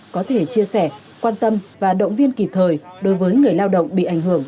có thể chia sẻ quan tâm và động viên kịp thời đối với người lao động bị ảnh hưởng